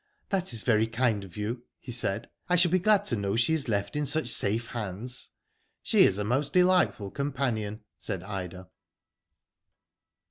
" That is very kind of you," he said. *' I shall be glad to know she is left in such safe hands." She is a most delightful companion," said Ida.